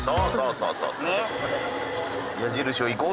そうそう